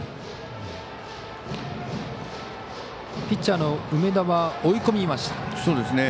ピッチャーの梅田は追い込みました。